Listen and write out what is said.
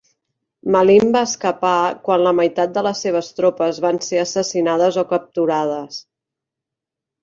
Ma Lin va escapar quan la meitat de les seves tropes van ser assassinades o capturades.